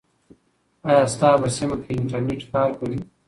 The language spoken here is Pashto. آیا ستا په سیمه کې انټرنیټ کار کوي؟